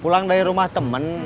pulang dari rumah temen